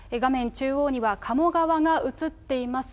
中央には鴨川が映っています。